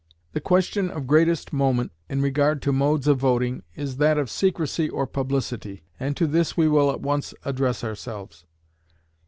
The question of greatest moment in regard to modes of voting is that of secrecy or publicity, and to this we will at once address ourselves.